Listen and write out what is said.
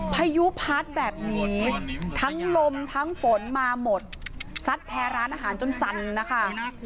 พายุพัดแบบนี้ทั้งลมทั้งฝนมาหมดซัดแพ้ร้านอาหารจนสั่นนะคะ